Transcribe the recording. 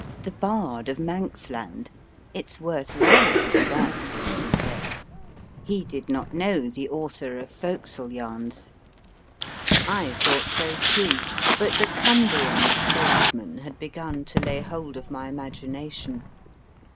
" The Bard of Manxland " it s worth while to be that, he said he did not know the author of Foc s le Yarns. I thought so, too, but the Cumbrian statesman had begun to lay hold of my imagination.